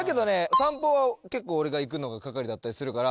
散歩は結構俺が行くのが係だったりするから。